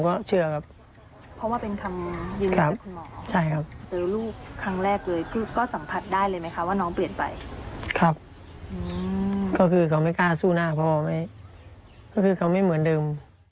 ก็คือเขาไม่เหมือนเดิม